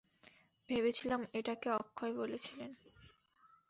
ভেবেছিলাম, এটাকে অক্ষয় বলেছিলেন!